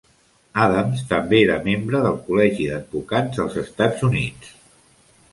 Adams també era membre del Col·legi d'Advocats dels Estatus Units.